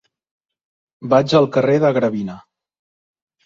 Vaig al carrer de Gravina.